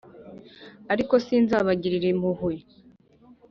Ariko sinzabagirira impuhwe